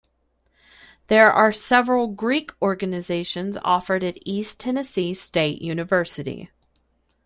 There are several Greek organizations offered at East Tennessee State University.